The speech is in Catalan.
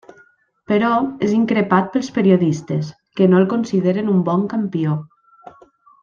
Però, és increpat pels periodistes, que no el consideren un bon campió.